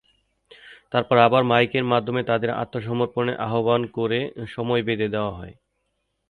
তারপর আবার মাইকের মাধ্যমে তাদের আত্মসমর্পণের আহ্বান করে সময় বেঁধে দেওয়া হয়।